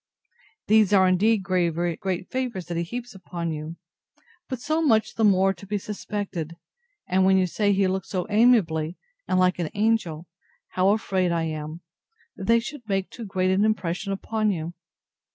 These are, indeed, very great favours that he heaps upon you, but so much the more to be suspected; and when you say he looked so amiably, and like an angel, how afraid I am, that they should make too great an impression upon you!